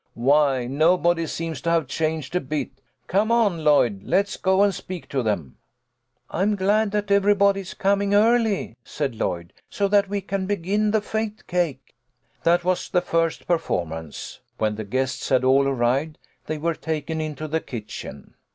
Why, nobody seems to have changed a bit. Come on, Lloyd, let's go and speak to them." " I'm glad that everybody is coming early," said Lloyd, " so that we can begin the fate cake." That was the first performance. When the guests had" all arrived, they were taken into the kitchen.